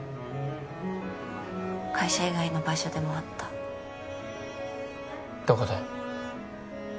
会社以外の場所でも会ったどこで？